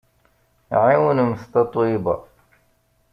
Ɛiwnemt Tatoeba!